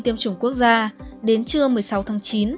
tiêm chủng quốc gia đến trưa một mươi sáu tháng chín